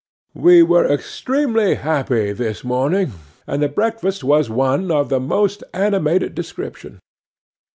'We were extremely happy this morning, and the breakfast was one of the most animated description.